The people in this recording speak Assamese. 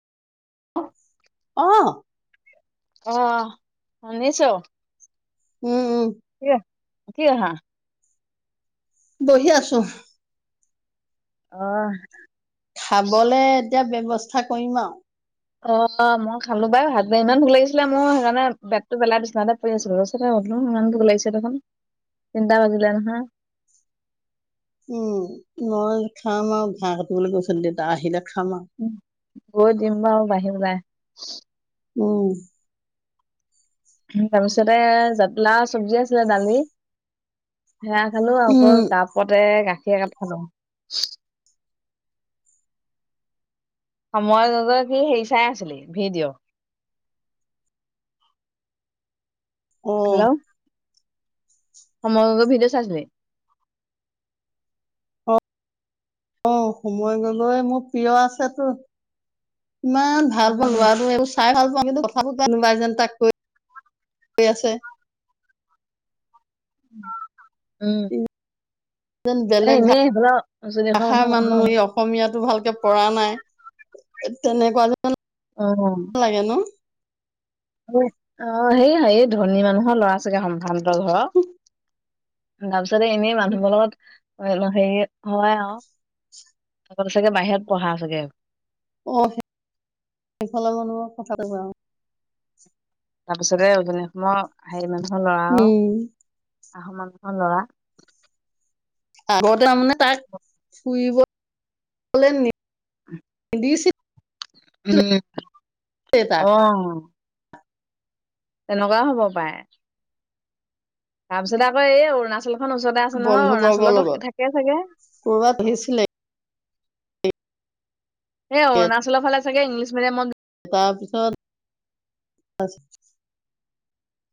অ। অ ভালে শুনিছোঁ। উম উম। কিয় কিয় আহা। বহি আছোঁ। অ। খাবলে এতিয়া ব্যৱস্থা কৰিম আৰু। অ মই খালোঁ বাই ইমান ভোগ লাগিছিলে মোৰ সেইকাৰণে বেগটো পেলাই বিছনাতে। ইমান দুখ লাগিছে দেখোন, তিনটা বাজিলে নহয়, উম মই খাম আৰু বাঁহ কাটিবলৈ গৈছিল দেউতা আহিলে খাম আৰু। গৈ দিম বাও আহি পেলাই। উম। তাৰপিছতে জাতি লাউ চব্জি আছিলে দালি। সেৱা খালোঁ আকৌ উম কাপতে গাখীৰ একাপ খালোঁ। সময় কি হেৰি চাই আছিলি ভিডিঅ' উম। হেল্ল' সময় গগৈৰ ভিডিঅ' চাইছিলি? অ। অ সময় গগৈ মোৰ প্ৰিয় আছেতো, ইমান। ভাল পাওঁ, উম লৰাটো এইবোৰ চাই ভাল পাওঁ, কিন্তু কথাবোৰ কনোবা যেন তাক কৈ আছে। উম। ই যেন এ বেলেগ ভা এনেই সেইফালৰ চুলি ওখৰ ভাষাৰ মানুহৰ মানুহ কথা অসমীয়াটো ভালকে। পঢ়া নাই, তেনেকুৱা যেন। অ অ। লাগে ন। অ সেই ধনী মানুহৰ ল'ৰা ছাগে সম্ভ্ৰান্ত ঘৰৰ গামচা দে এনেই মানুহবোৰক। চাগে বাহিৰত পঢ়া চাগে। অ সেইফালৰ মানুহ কথা। তাৰ পিছতে উজনি অসমৰ হেৰি মানুহৰ ল'ৰা আৰু উম অসমৰ মানুহৰ ল'ৰা আগত মানে তাক ফুৰিবলৈ [unintelligible] উম', [unintelligible] অ', তেনেকুৱাও হ'ব পাৰে। তাৰ পিছত আকৌ এই অৰুণাচলত খনৰ ওচৰতে আছে নহয়। বন্ধু বৰ্গৰ অৰুণাচলটো লগত থাকেই চাগে কৰ'বাত অ, আহিছিলে সেই অৰুণাচলৰ ফালে চাগে ইংলিছ মিডিয়ামত তাৰ পিছত [unintelligible]